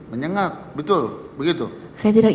menyengat betul begitu saya tidak